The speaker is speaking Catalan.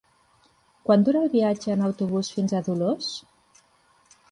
Quant dura el viatge en autobús fins a Dolors?